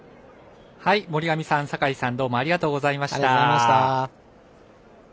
森上さん、酒井さんどうもありがとうございました。